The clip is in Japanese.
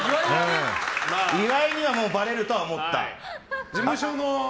岩井にはバレると思った。